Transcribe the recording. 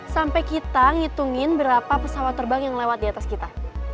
sampai kita ngitungin berapa pesawat terbang yang lewat di atas kita